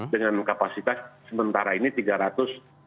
dengan kapasitas sementara ini tiga ratus